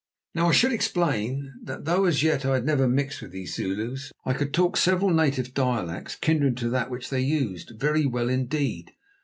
Now I should explain that though as yet I had never mixed with these Zulus, I could talk several native dialects kindred to that which they used very well indeed.